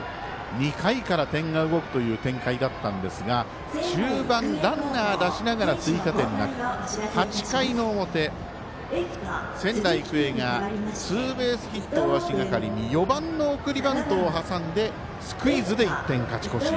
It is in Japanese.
２回から点が動くというゲームだったんですが終盤ランナー出しながら追加点なく８回の表、仙台育英がツーベースヒットを足がかりに４番の送りバントをはさんでスクイズで１点勝ち越し。